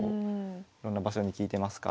いろんな場所に利いてますから。